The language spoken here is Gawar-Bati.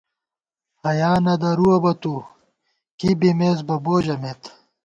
حیا نہ درُوَہ بہ تُو ، کی بِمېس بہ بو ژَمېت